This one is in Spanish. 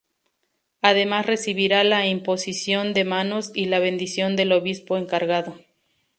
Además recibirá la imposición de manos y la bendición del obispo encargado.